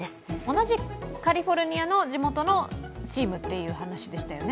同じカリフォルニアの地元のチームという話でしたよね？